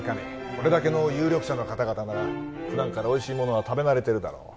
これだけの有力者の方々なら普段からおいしいものは食べ慣れてるだろう